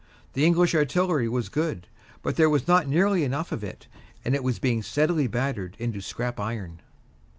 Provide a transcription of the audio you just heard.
The English artillery was good, but there was not nearly enough of it; it was being steadily battered into scrap iron.